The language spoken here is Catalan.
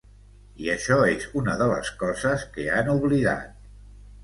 I això és una de les coses que han oblidat.